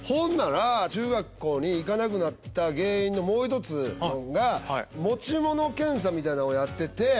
中学校に行かなくなった原因のもう一つが持ち物検査みたいなのをやってて。